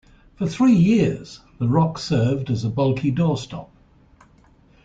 For three years, the rock served as a bulky doorstop.